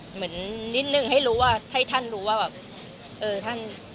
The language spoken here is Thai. เหมือนนิดนึงให้รู้ว่าให้ท่านรู้ว่าแบบเออท่าน